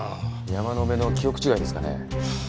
山野辺の記憶違いですかね。